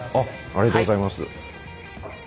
ありがとうございます。